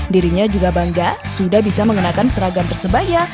dirinya juga bangga sudah bisa mengenakan seragam persebaya